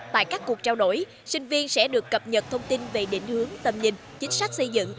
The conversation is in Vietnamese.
tại các cuộc trao đổi sinh viên sẽ được cập nhật thông tin về định hướng tầm nhìn chính sách xây dựng